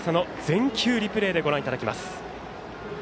全球リプレーでご覧いただきます。